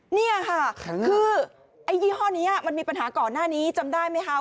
นี่ค่ะคือไอ้ยี่ห้อนี้มันมีปัญหาก่อนหน้านี้จำได้ไหมคะ